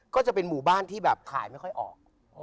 ก็จะเป็นหมู่บ้านที่แบบขายไม่ค่อยออก